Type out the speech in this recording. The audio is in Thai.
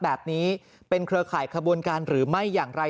แบบนี้เป็นเครือข่ายขบวนการหรือไม่อย่างไร